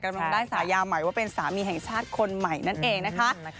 กำลังได้ฉายาใหม่ว่าเป็นสามีแห่งชาติคนใหม่นั่นเองนะคะ